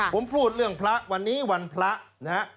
ผมพูดเรื่องพระวันนี้วันพระนะฮะ